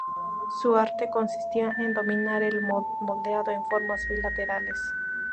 Su arte consistía en dominar el moldeado en formas bilaterales.